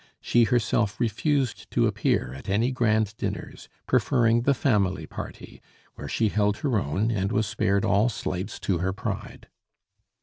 She herself refused to appear at any grand dinners, preferring the family party, where she held her own and was spared all slights to her pride.